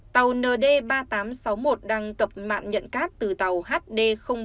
tàu nd ba nghìn tám trăm sáu mươi một đang cập mạng nhận cát từ tàu hd bốn trăm tám mươi hai